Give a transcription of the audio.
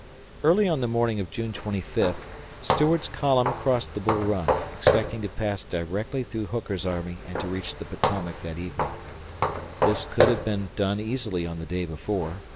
Early on the morning of June 25, Stuart's column crossed the Bull Run, expecting to pass directly through Hooker's army and to reach the Potomac that evening. This could have been done easily on the day before.